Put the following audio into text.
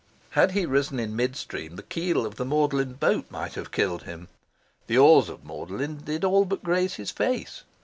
Had he risen in mid stream, the keel of the Magdalen boat might have killed him. The oars of Magdalen did all but graze his face.